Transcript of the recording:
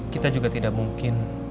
kita juga tidak mungkin